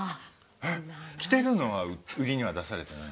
着てるのは売りには出されてないの？